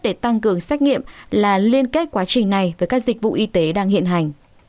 để tăng cường xét nghiệm là liên kết quá trình này với các dịch vụ y tế đang hiện hành